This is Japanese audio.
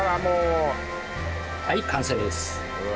はい完成です。